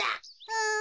うん。